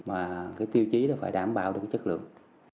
và cái tiêu chí đó phải đảm bảo được chất lượng